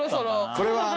これは。